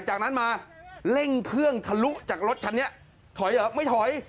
จากนั้นมาเร่งเครื่องทะลุจากรถคันนี้ถอยเหรอไม่ถอย